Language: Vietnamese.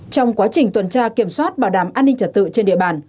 trong quá trình tuần tra kiểm soát bảo đảm an ninh trật tự trên địa bàn